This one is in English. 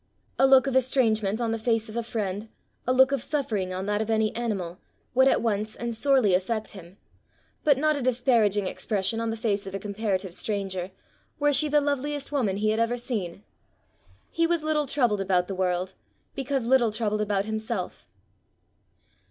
A look of estrangement on the face of a friend, a look of suffering on that of any animal, would at once and sorely affect him, but not a disparaging expression on the face of a comparative stranger, were she the loveliest woman he had ever seen. He was little troubled about the world, because little troubled about himself.